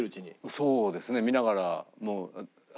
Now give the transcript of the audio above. そうですね見ながらもう。